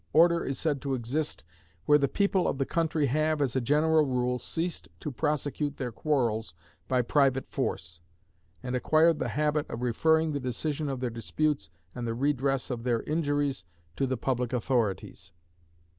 Order is said to exist where the people of the country have, as a general rule, ceased to prosecute their quarrels by private force, and acquired the habit of referring the decision of their disputes and the redress of their injuries to the public authorities.